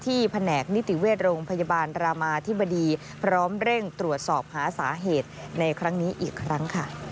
แผนกนิติเวชโรงพยาบาลรามาธิบดีพร้อมเร่งตรวจสอบหาสาเหตุในครั้งนี้อีกครั้งค่ะ